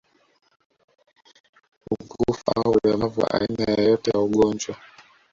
Upungufu au ulemavu wa aina yoyote ya ugonjwa